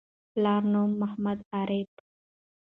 پلار نوم: محمد عارف